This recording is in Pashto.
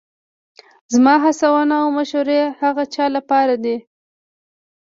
زما هڅونه او مشورې هغه چا لپاره دي